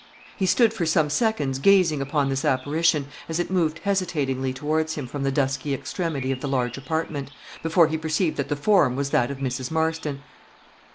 He stood for some seconds gazing upon this apparition, as it moved hesitatingly towards him from the dusky extremity of the large apartment, before he perceived that the form was that of Mrs. Marston.